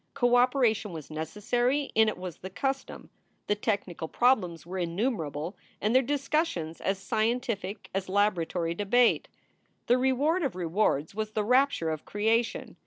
Co operation was necessary and it was the custom. The technical prob lems were innumerable and their discussions as scientific as laboratory debate. The reward of rewards was the rapture of creation.